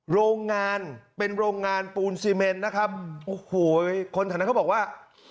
โรงงานเป็นโรงงานปูนซีเมนนะครับโอ้โหคนแถวนั้นเขาบอกว่า